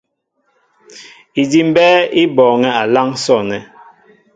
Idí' mbɛ́ɛ́ í bɔɔŋɛ́ a láŋ sɔ̂nɛ́.